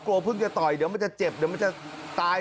เพิ่งจะต่อยเดี๋ยวมันจะเจ็บเดี๋ยวมันจะตาย